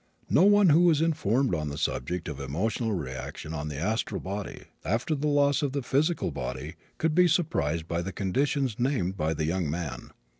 No one who is informed on the subject of emotional reaction on the astral body, after the loss of the physical body, could be surprised by the conditions named by the young man.